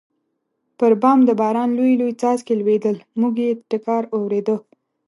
پر بام د باران لوی لوی څاڅکي لوېدل، موږ یې ټکهار اورېده.